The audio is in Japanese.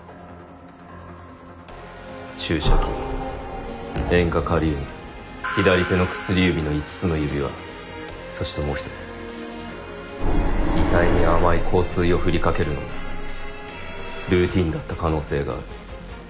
注射器塩化カリウム左手の薬指の５つの指輪そしてもう１つ遺体に甘い香水を振りかけるのもルーティンだった可能性がある。